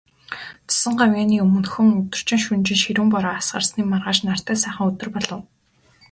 Цусан гавьяаны өмнөхөн, өдөржин, шөнөжин ширүүн бороо асгарсны маргааш нартай сайхан өдөр болов.